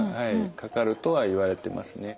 かかるとはいわれてますね。